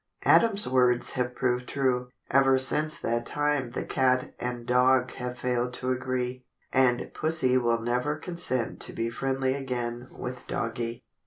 Adam's words have proved true. Ever since that time the cat and dog have failed to agree, and Pussie will never consent to be friendly again with Doggie.